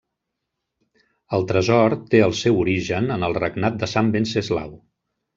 El tresor té el seu origen en el regnat de sant Venceslau.